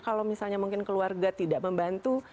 kalau misalnya mungkin keluarga tidak membantu